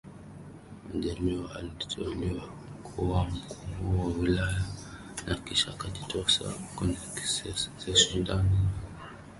Majaliwa aliteuliwa kuwa Mkuu wa Wilaya na kisha akajitosa kwenye siasa za ushindani mwaka